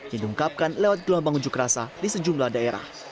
yang diungkapkan lewat gelombang unjuk rasa di sejumlah daerah